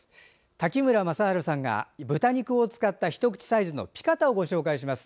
滝村雅晴さんが豚肉を使った一口サイズのピカタをご紹介します。